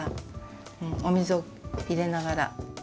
お水を入れながら。